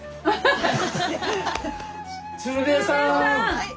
はい！